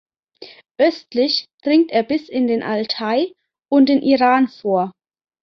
Östlich dringt er bis in den Altai und den Iran vor.